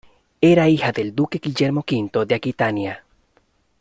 Era hija del duque Guillermo V de Aquitania.